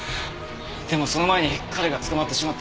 でもその前に彼が捕まってしまって。